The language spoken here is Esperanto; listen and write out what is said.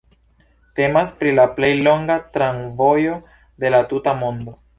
Temas pri la plej longa tramvojo de la tuta mondo.